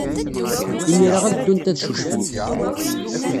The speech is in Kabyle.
Imir-a ad ddunt ad ccucfent.